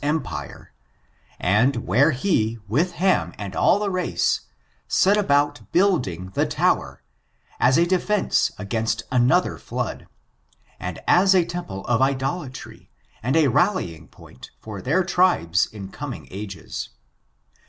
em pire, and where he, with Ham and all the race, set about building the tower, as a defense against another flood, and as a temple of idolatrj/ and a rallying point for their tribes in coming ages.